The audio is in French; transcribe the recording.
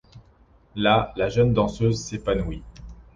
Là, la jeune danseuse s'épanouit.